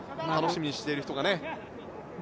楽しみにしている人がね。